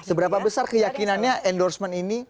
seberapa besar keyakinannya endorsement ini